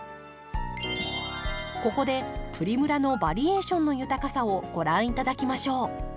ここでプリムラのバリエーションの豊かさをご覧頂きましょう。